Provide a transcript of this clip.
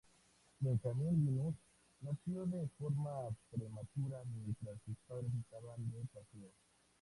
Benjamin Linus nació de forma prematura mientras sus padres estaban de paseo.